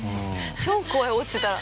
超怖い落ちてたら。